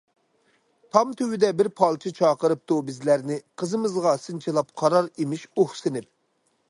تام تۈۋىدە بىر پالچى چاقىرىپتۇ بىزلەرنى، قىزىمىزغا سىنچىلاپ قارار ئىمىش ئۇھسىنىپ.